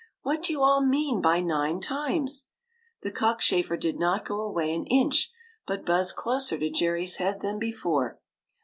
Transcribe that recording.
"What do you all mean by nine times ?" The cockchafer did not go away an inch, but buzzed closer to Jerry's head than before.